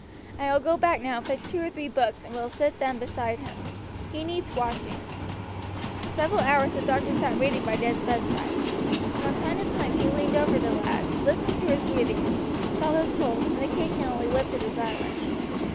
I will go back now and fetch two or three books and will then sit by him. He needs watching." For several hours the doctor sat reading by Ned's bedside. From time to time he leaned over the lad, listened to his breathing, felt his pulse, and occasionally lifted his eyelid.